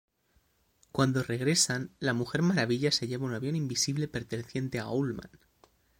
Cuando regresan, la Mujer Maravilla se lleva un avión invisible perteneciente a Owlman.